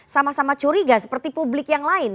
sama sama curiga seperti publik yang lain